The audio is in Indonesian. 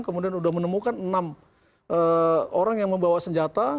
kemudian sudah menemukan enam orang yang membawa senjata